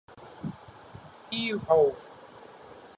Hee Haw!